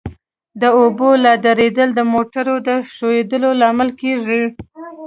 د اوبو ولاړېدل د موټرو د ښوئیدو لامل کیږي